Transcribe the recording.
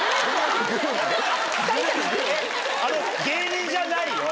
２人じゃない？